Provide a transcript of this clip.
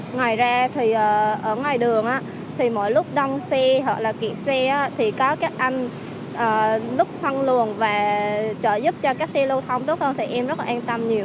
ngoài ra thì ở ngoài đường thì mỗi lúc đông xe hoặc là kiện xe thì có các anh lúc thăng luồng và trợ giúp cho các xe lưu thông tốt hơn thì em rất là yên tâm nhiều